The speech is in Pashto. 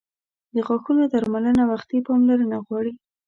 • د غاښونو درملنه وختي پاملرنه غواړي.